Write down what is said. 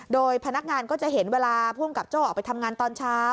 โดยพนักงานก็จะเห็นเวลาภูมิกับโจ้ออกไปทำงานตอนเช้า